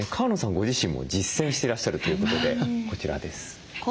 ご自身も実践していらっしゃるということでこちらです。